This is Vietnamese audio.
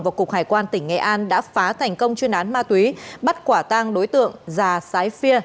và cục hải quan tỉnh nghệ an đã phá thành công chuyên án ma túy bắt quả tang đối tượng già sái phia